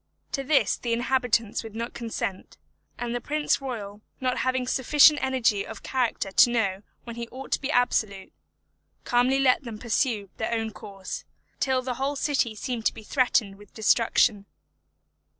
To this the inhabitants would not consent; and the prince royal not having sufficient energy of character to know when he ought to be absolute, calmly let them pursue their own course, till the whole city seemed to be threatened with destruction.